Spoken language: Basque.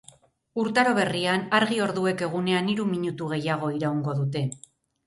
Urtaro berrian, argi orduek egunean hiru minutu gehiago iraungo dute.